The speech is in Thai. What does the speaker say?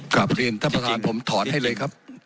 ครับบริมท่านประธานผมถอนให้เลยครับ